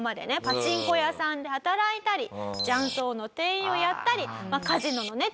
パチンコ屋さんで働いたり雀荘の店員をやったりカジノのね